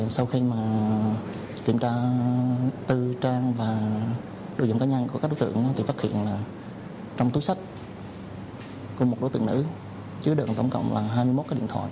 sau khi kiểm tra tư trang và đối diện cá nhân của các đối tượng thì phát hiện trong túi sách của một đối tượng nữ chứa được tổng cộng hai mươi một điện thoại